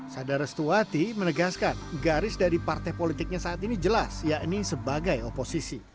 sadarusti menegaskan garis dari partai politiknya saat ini jelas yakni sebagai oposisi